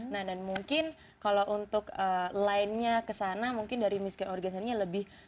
nah dan mungkin kalau untuk lainnya kesana mungkin dari miss grand organisasinya lebih